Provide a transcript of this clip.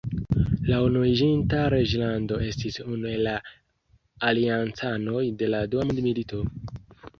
La Unuiĝinta Reĝlando estis unu el la Aliancanoj de la Dua Mondmilito.